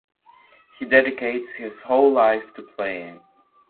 He dedicates his whole life to playing.